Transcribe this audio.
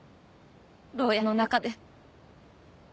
ろうやの中で。